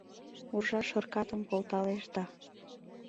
Уржа шыркатым колталеш да